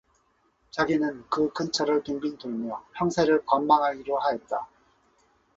자기는 그 근처를 빙빙 돌며 형세를 관망하기로 하였다